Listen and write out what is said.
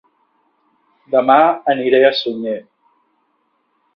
Dema aniré a Sunyer